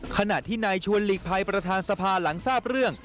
ขณะที่นายชวนหลีกภัยประธานสภาหลังทราบเรื่อง